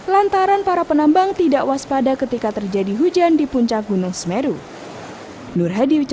lantaran para penambang tidak waspada ketika terjadi hujan di puncak gunung semeru